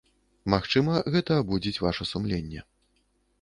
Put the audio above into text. Магчыма, гэта абудзіць ваша сумленне.